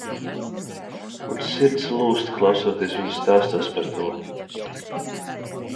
Un sirds lūzt klausoties viņu stāstos par to.